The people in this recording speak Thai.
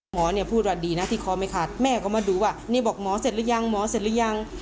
หมอเนี่ยพูดว่าดีนะที่คอไม่ขาดแม่ก็มาดูว่านี่บอกหมอเสร็จหรือยังหมอเสร็จหรือยัง